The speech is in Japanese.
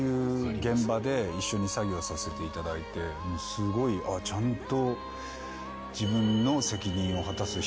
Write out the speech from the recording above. すごいちゃんと。